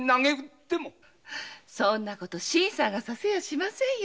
そんな事新さんがさせやしませんよ。